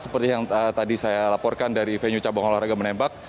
seperti yang tadi saya laporkan dari venue cabang olahraga menembak